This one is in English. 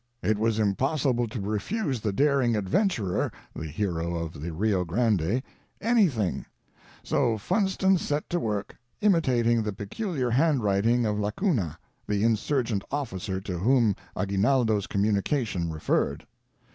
It was impossible to refuse the daring ad venturer, the hero of the Rio Grande, anything; so Funston set to work, imitating the peculiar handwriting of Lacuna, the Insurgent officer to whom Aguinaldo's communication referred.